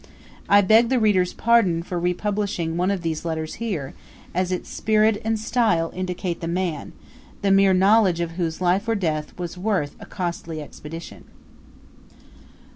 I beg the reader's pardon for republishing one of these letters here, as its spirit and style indicate the man, the mere knowledge of whose life or death was worth a costly Expedition.